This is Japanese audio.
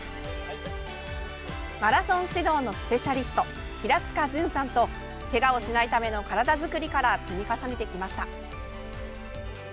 マラソン指導のスペシャリスト平塚潤さんとけがをしないための体づくりから積み重ねてきました。